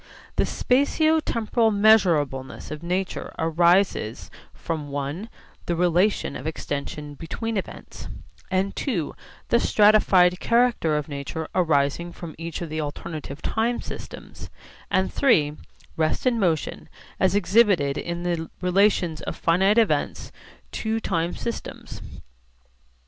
The spatio temporal measurableness of nature arises from (i) the relation of extension between events, and (ii) the stratified character of nature arising from each of the alternative time systems, and (iii) rest and motion, as exhibited in the relations of finite events to time systems.